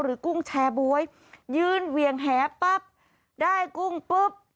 หรือกุ้งแช่บ๋วยยืนเหวี่ยงแหแบ๊ปได้กุ้งปุ๊บ